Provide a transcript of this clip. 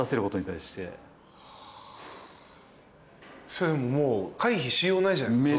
それもう回避しようないじゃないですか。